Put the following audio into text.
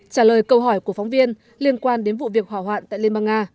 trả lời câu hỏi của phóng viên liên quan đến vụ việc hỏa hoạn tại liên bang nga